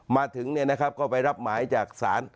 มาถึงเนี่ยนะครับก็ไปรับหมายจากศาล